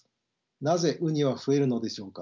なぜウニは増えるのでしょうか。